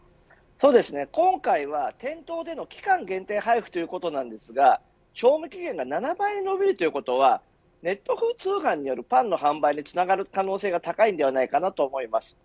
今回は店頭での期間限定配布ということですが賞味期限が７倍にのびるということはネット通販によるパンの販売につながる可能性が高いんじゃないかと思います。